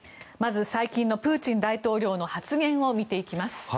まず、最近のプーチン大統領の発言を見ていきます。